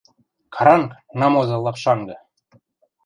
Каранг, намозы лапшангы!..